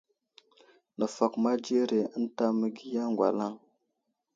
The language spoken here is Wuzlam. Nəfakoma dzire ənta məgiya ŋgalaŋ.